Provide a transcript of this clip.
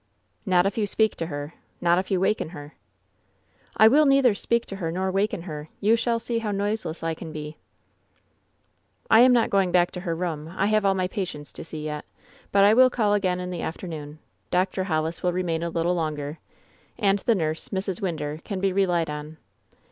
"Not if you speak to her. Not if you waken her." "I will neither speak to her nor waken her. You shall see how noiseless I can be." "I am not going back to her room. I have all my patients to see yet, but I will call again in the afternoon. I)r. Hollis will remain a little longer. And the nurse, Mrs. Winder, can be relied on.